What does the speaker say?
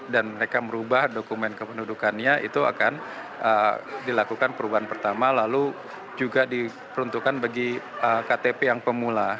dan mereka merubah dokumen kependudukannya itu akan dilakukan perubahan pertama lalu juga diperuntukkan bagi ktp yang pemula